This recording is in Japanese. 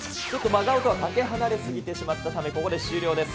真顔とはかけ離れてしまったため、ここで終了です。